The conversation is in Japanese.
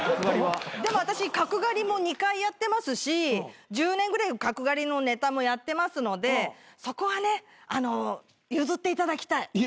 でも私角刈りも２回やってますし１０年ぐらい角刈りのネタもやってますのでそこはね譲っていただきたい。